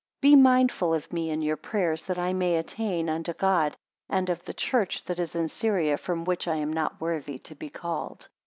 8 Be mindful of me in your prayers, that I may attain unto God, and of the church that is in Syria, from which I am not worthy to be called.